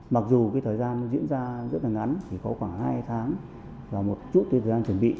mặc dù thời gian diễn ra rất ngắn chỉ có khoảng hai tháng và một chút thời gian chuẩn bị